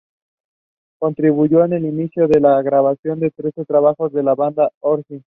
Contribuyó en el inicio de la grabación del tercer trabajo de la banda, Origin.